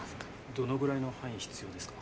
どのぐらいの範囲必要ですか？